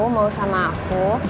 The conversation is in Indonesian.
mau sama aku